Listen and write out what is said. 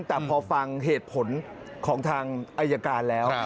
แต่พอฟังเหตุผลของทางอายการแล้ว